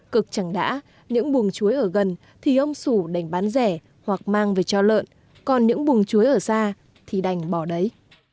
cực chẳng đã những buồng chuối ở gần thì ông sủ đành bán rẻ hoặc mang về cho lợn còn những bùng chuối ở xa thì đành bỏ đấy